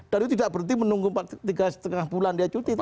dan itu tidak berarti menunggu tiga lima bulan dia cuti